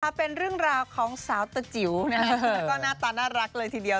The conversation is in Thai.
เป็นเรื่องราวของสาวตะจิ๋วแล้วก็หน้าตาน่ารักเลยทีเดียว